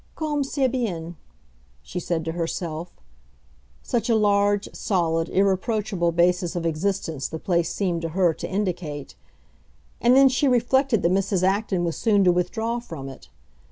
"Comme c'est bien!" she said to herself; such a large, solid, irreproachable basis of existence the place seemed to her to indicate. And then she reflected that Mrs. Acton was soon to withdraw from it.